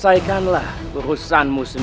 jadi kita harus mencrease korban